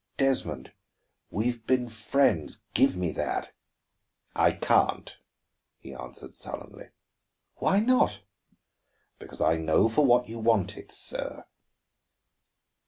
"Desmond, we have been friends; give me that." "I can't," he answered sullenly. "Why not?" "Because I know for what you want it, sir."